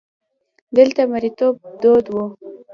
دلته مریتوب دود وو.